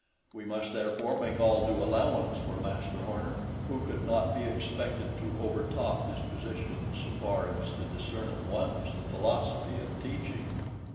We must therefore make all due allowance for Master Horner, who could not be expected to overtop his position so far as to discern at once the philosophy of teaching.